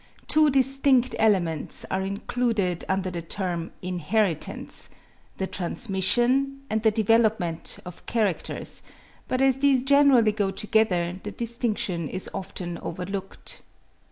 Two distinct elements are included under the term "inheritance"—the transmission, and the development of characters; but as these generally go together, the distinction is often overlooked.